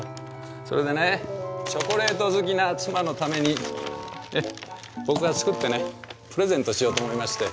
それでねチョコレート好きな妻のために僕が作ってねプレゼントしようと思いまして。